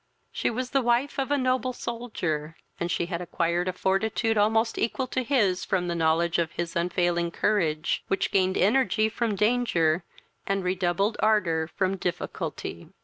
She was the wife of a noble soldier, and she had acquired a fortitude almost equal to his from the knowledge of his unfailing courage, which gained energy from danger, and redoubled ardour from difficulty.